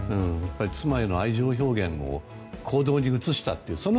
やっぱり妻への愛情表現を行動に移したという。